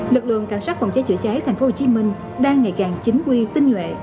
lực lượng cảnh sát phòng cháy chữa cháy tp hcm đang ngày càng chính quy tinh nhuệ